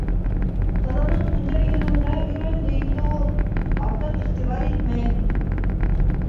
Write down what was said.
Ҡыҙының төндә йөрөүенә өйрәнде инде ул. Артыҡ иғтибар итмәй.